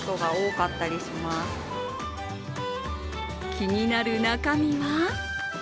気になる中身は？